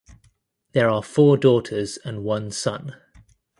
There are four daughters and one son.